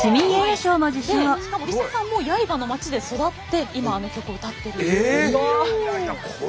しかもＬｉＳＡさんも刃の町で育って今あの曲を歌ってる。